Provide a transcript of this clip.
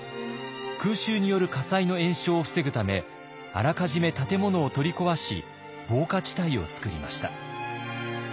空襲による火災の延焼を防ぐためあらかじめ建物を取り壊し防火地帯を作りました。